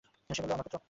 সে বলল, আমার পুত্র!